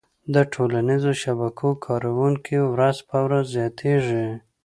د ټولنیزو شبکو کارونکي ورځ په ورځ زياتيږي